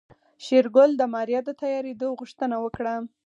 شېرګل د ماريا د تيارېدو غوښتنه وکړه.